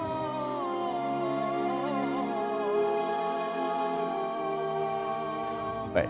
tapi lupa caranya pak